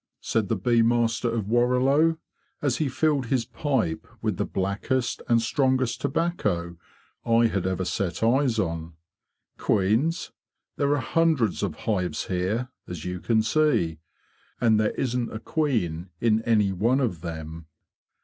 said the Bee Master of Warrilow, as he filled his pipe with the blackest and strongest tobacco I had ever set eyes on; "' queens? There are hundreds of hives here, as you can see; and there isn't a queen in any one of them."